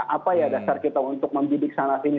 apa ya dasar kita untuk membidik sana sini